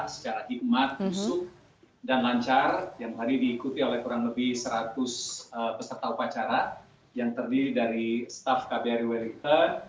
secara hikmat busuk dan lancar yang tadi diikuti oleh kurang lebih seratus peserta upacara yang terdiri dari staff kbri wellington